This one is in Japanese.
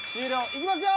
いきますよ。